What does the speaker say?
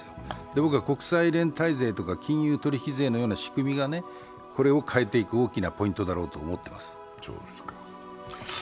僕は国際連帯税とか金融取引税みたいな仕組みがこれを変えていく大きなポイントだろうと思っています。